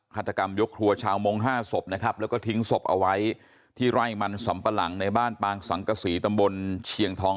ฆาตกรรมยกครัวชาวมง๕ศพนะครับแล้วก็ทิ้งศพเอาไว้ที่ไร่มันสำปะหลังในบ้านปางสังกษีตำบลเชียงทอง